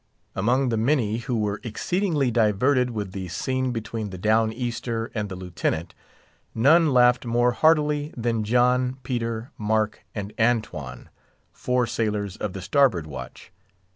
Among the many who were exceedingly diverted with the scene between the Down Easter and the Lieutenant, none laughed more heartily than John, Peter, Mark, and Antone—four sailors of the starboard watch.